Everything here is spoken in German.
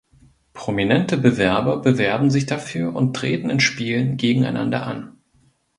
Prominente Bewerber bewerben sich dafür und treten in Spielen gegeneinander an.